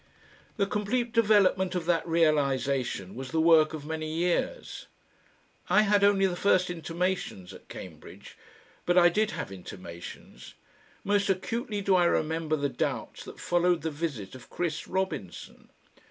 The complete development of that realisation was the work of many years. I had only the first intimations at Cambridge. But I did have intimations. Most acutely do I remember the doubts that followed the visit of Chris Robinson.